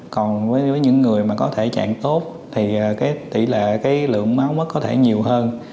còn với những người có thể chạy tốt thì tỷ lệ lượng máu mất có thể nhiều hơn